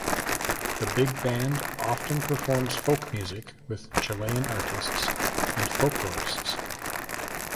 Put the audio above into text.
The Big Band often performs folk music with Chilean artists and folklorist.